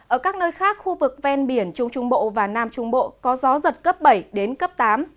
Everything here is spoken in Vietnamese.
ở các nơi khác khu vực ven biển trung trung bộ và nam trung bộ có gió giật cấp bảy đến cấp tám